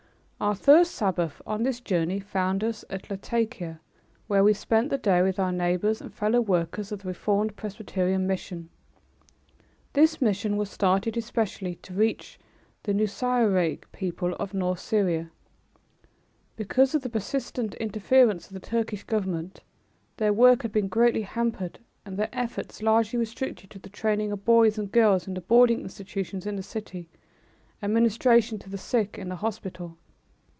Our first Sabbath, on this journey, found us at Latakia, where we spent the day with our neighbors and fellow workers of the Reformed Presbyterian mission. This mission was started especially to reach the Nusairiyeh people of north Syria. Because of the persistent interference of the Turkish Government, their work has been greatly hampered and their efforts largely restricted to the training of boys and girls in the boarding institutions in the city, and ministration to the sick in the hospital.